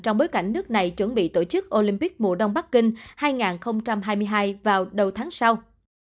trong bối cảnh nước này chuẩn bị tổ chức olympic mùa đông bắc kinh hai nghìn hai mươi hai vào đầu tháng sau